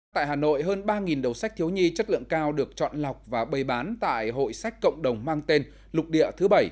tại hà nội hơn ba đầu sách thiếu nhi chất lượng cao được chọn lọc và bày bán tại hội sách cộng đồng mang tên lục địa thứ bảy